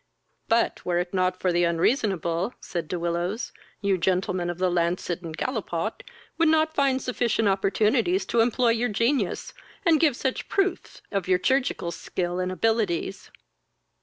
"But, were it not for the unreasonable, (said De Willows,) you gentlemen of the lancet and gallipot would not find sufficient opportunities to employ your genius, and give such proofs of your chirurgical skill and abilities."